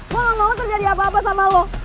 tolong mau terjadi apa apa sama lo